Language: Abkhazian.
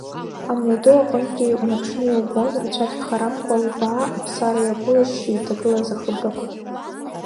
Амҩаду аҟынтәи унаԥшны иубон, рацәак ихарамкәа, лбаа, аԥсара иагәылашьшьы иҭагылаз ахыбрақәа.